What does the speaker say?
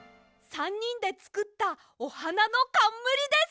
３にんでつくったおはなのかんむりです！